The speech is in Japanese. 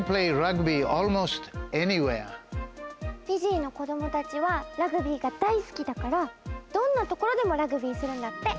フィジーの子どもたちはラグビーが大すきだからどんなところでもラグビーするんだって。